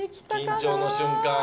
緊張の瞬間。